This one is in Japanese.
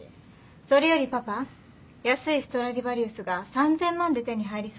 それよりパパ安いストラディバリウスが３０００万で手に入りそうなの。